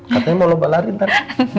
katanya mau lo balarin pak